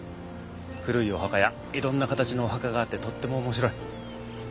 古いお墓やいろんな形のお墓があってとっても面白い。